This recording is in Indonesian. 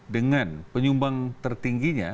dengan penyumbang tertingginya